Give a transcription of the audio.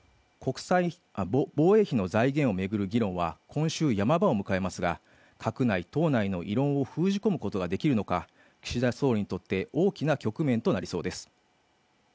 防衛費の財源をめぐる議論は今週ヤマ場を迎えますが閣内・党内の異論を封じ込むことができるのか岸田総理にとって大きな局面となりそうです